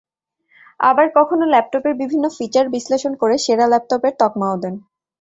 আবার কখনও ল্যাপটপের বিভিন্ন ফিচার বিশ্লেষণ করে সেরা ল্যাপটপের তকমাও দেন।